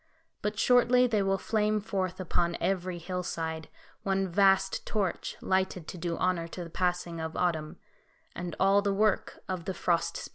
But shortly they will flame forth upon every hillside, one vast torch, lighted to do honour to the passing of autumn; and all the work of the Frost Spirit.